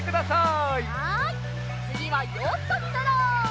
はいつぎはヨットにのろう！